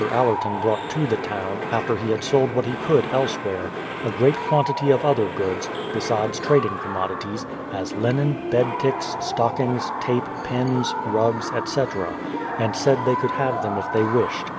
Allerton brought to the town, after he had sold what he could elsewhere, a great quantity of other goods, besides trading commodities; as linen, bed ticks, stockings, tape, pins, rugs, etc., and said they could have them if they wished.